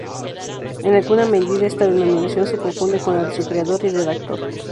En alguna medida, esta denominación se confunde con la de su creador y redactor.